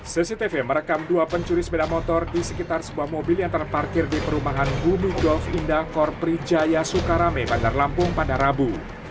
sesi tv merekam dua pencuri sepeda motor di sekitar sebuah mobil yang terparkir di perumahan gumi golf indah kor prijaya sukarame bandar lampung bandar rabu